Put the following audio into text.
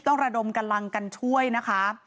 ระดมกำลังกันช่วยนะคะ